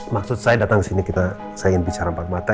maksud saya datang ke sini kita saya ingin bicara empat mata